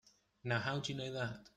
Now how'd you know that?